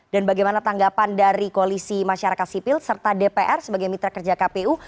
dan bagaimana tanggapan dari koalisi masyarakat sipil serta dpr sebagai mitra kerja kpu